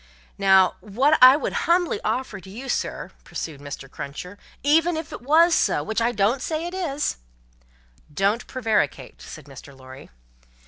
"Now, what I would humbly offer to you, sir," pursued Mr. Cruncher, "even if it wos so, which I don't say it is " "Don't prevaricate," said Mr. Lorry.